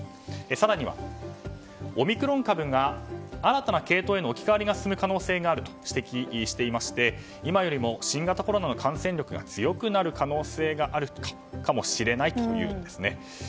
更には、オミクロン株が新たな系統への置き換わりが進む可能性があると指摘していまして今よりも新型コロナの感染力が強くなる可能性があるかもしれないというんですね。